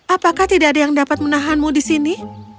apakah tidak ada yang dapat menahanmu di sini